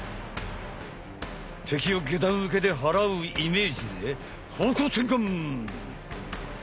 敵を下段受けで払うイメージで方向転換！